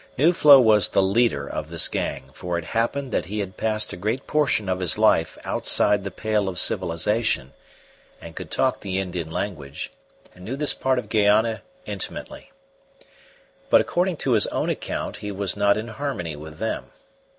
Nuflo was the leader of this gang, for it happened that he had passed a great portion of his life outside the pale of civilization, and could talk the Indian language, and knew this part of Guayana intimately. But according to his own account he was not in harmony with them.